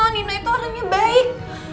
nino itu orangnya baik